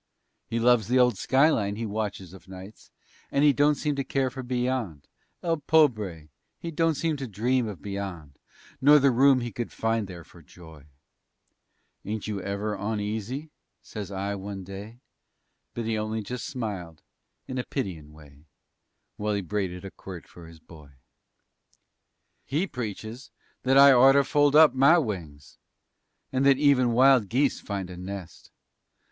He loves the old skyline he watches of nights And he don't seem to care for beyond. El pobre! he don't seem to dream of beyond, Nor the room he could find, there, for joy. "Ain't you ever oneasy?" says I one day. But he only just smiled in a pityin' way While he braided a quirt for his boy. He preaches that I orter fold up my wings And that even wild geese find a nest.